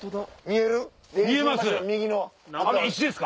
見えます！